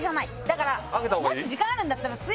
だからもし時間あるんだったら。